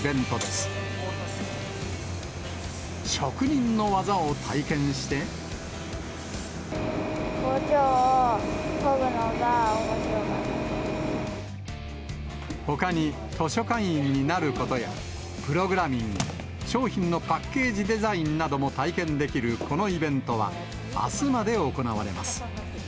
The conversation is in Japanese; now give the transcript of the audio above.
包丁を研ぐのがおもしろかっほかに、図書館員になることや、プログラミング、商品のパッケージデザインなども体験できるこのイベントは、あすまで行われます。